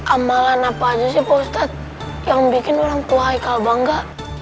amalan apa aja sih pak ustadz yang bikin orang tua hikal bangga